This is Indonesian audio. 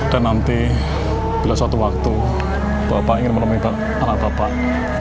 dan nanti bila suatu waktu bapak ingin menemui anak bapak